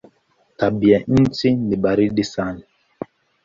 Tabianchi ni baridi sana.